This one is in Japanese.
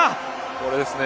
これですね。